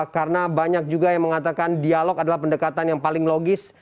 karena banyak juga yang mengatakan dialog adalah pendekatan yang paling logis